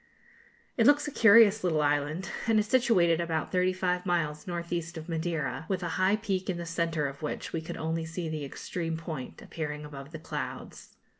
It looks a curious little island, and is situated about thirty five miles north east of Madeira, with a high peak in the centre, of which we could only see the extreme point, appearing above the clouds.